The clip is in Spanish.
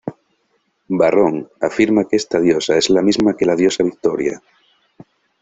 Varrón afirma que esta diosa es la misma que la diosa Victoria.